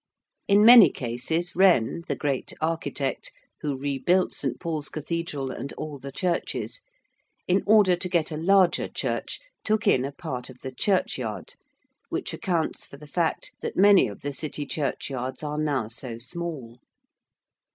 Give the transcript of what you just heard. In many cases, Wren, the great architect, who rebuilt St. Paul's Cathedral and all the churches, in order to get a larger church took in a part of the churchyard, which accounts for the fact that many of the City churchyards are now so small.